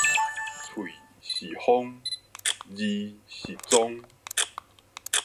喙是風，字是蹤